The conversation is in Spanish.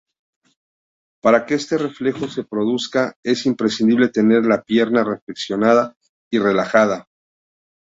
Para que este reflejo se produzca, es imprescindible tener la pierna flexionada y relajada.